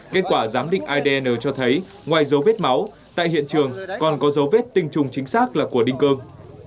kết quả giám định adn cho thấy ngoài dấu vết máu tại hiện trường còn có dấu vết tinh trùng chính xác là của đinh cương